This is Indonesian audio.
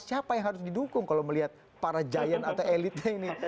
siapa yang harus didukung kalau melihat para giant atau elitnya ini